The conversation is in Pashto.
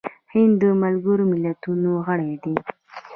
هند د ملګرو ملتونو غړی دی.